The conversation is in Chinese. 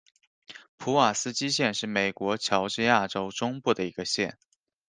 普瓦斯基县是美国乔治亚州中部的一个县。